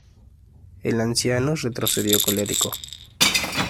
El anciano retrocedió colérico.